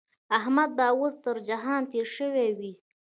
احمد به اوس تر جهان تېری شوی وي.